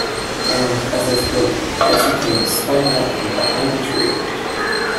And, as I spoke, Gussie came sidling out from behind a tree.